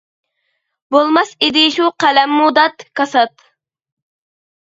بولماس ئىدى شۇ قەلەممۇ دات، كاسات!